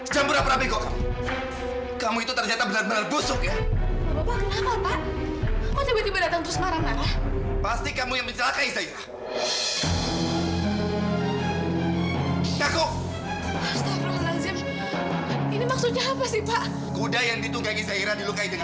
sampai jumpa di video selanjutnya